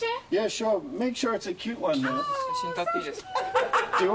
写真撮っていいですか？